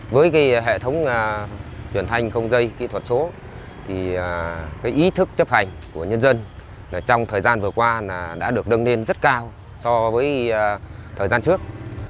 với hệ thống truyền thanh không dây kỹ thuật số ý thức chấp hành của nhân dân trong thời gian vừa qua đã được đâng lên rất cao so với thời gian trước